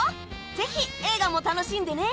ぜひ映画も楽しんでね